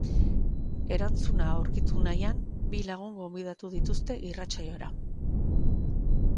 Erantzuna aurkitu nahian, bi lagun gonbidatu dituzte irratsaiora.